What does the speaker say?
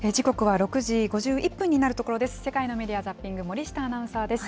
時刻は６時５１分になるところです。